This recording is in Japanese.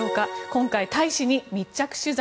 今回、大使に密着取材。